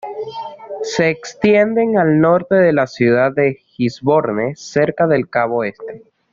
Se extiende al norte de la ciudad de Gisborne, cerca de cabo Este.